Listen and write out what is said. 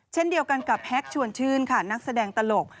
เช่นเดียวกันกับแฮกชวนชื่นค่ะนักแสดงตลก